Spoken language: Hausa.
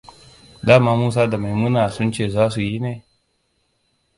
Dama Musa da Maimuna sun ce zasu yi ne?